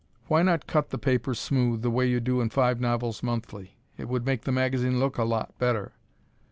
Why not cut the paper smooth, the way you do in Five Novels Monthly? It would make the magazine look a lot better.